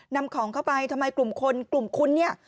นำของเข้าไปทำไมกลุ่มคนกลุ่มคุณเนี่ย